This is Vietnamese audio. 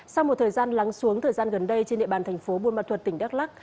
sau một thời gian lắng xuống thời gian gần đây trên địa bàn thành phố buôn ma thuật tỉnh đắk lắc